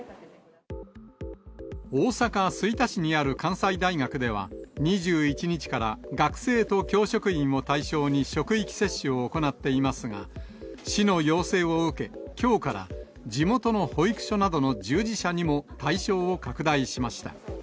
大阪・吹田市にある関西大学では、２１日から学生と教職員を対象に職域接種を行っていますが、市の要請を受け、きょうから、地元の保育所などの従事者にも対象を拡大しました。